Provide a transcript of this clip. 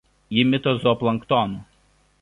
Ji mito zooplanktonu.